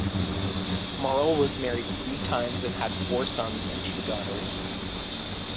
Merle was married three times, and had four sons and two daughters.